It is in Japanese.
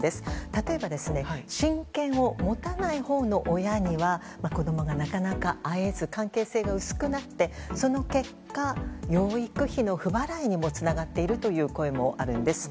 例えば親権を持たないほうの親には子供がなかなか会えず関係性が薄くなってその結果、養育費の不払いにもつながっているという声もあるんです。